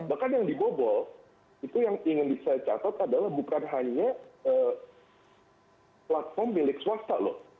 bahkan yang dibobol itu yang ingin saya catat adalah bukan hanya platform milik swasta loh